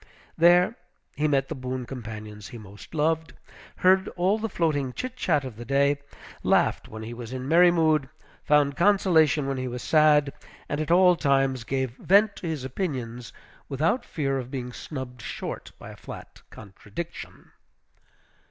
There he met the boon companions he most loved; heard all the floating chitchat of the day; laughed when he was in merry mood; found consolation when he was sad; and at all times gave vent to his opinions, without fear of being snubbed short by a flat contradiction.